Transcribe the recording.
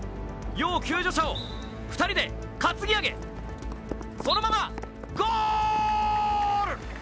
要救助者を２人で担ぎ上げ、そのままゴール！